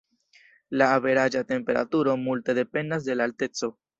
La averaĝa temperaturo multe dependas de la alteco.